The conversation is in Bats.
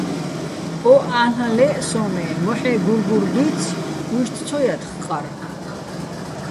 ო ა́ლ'აჼ ლე́ჸ სო́ჼ, მე́ მოჰ̦ე́ გურგურ დუჲცი̆, უჲშტი̆ ცო ჲათხ ყარ.